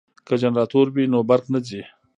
که جنراتور وي نو برق نه ځي.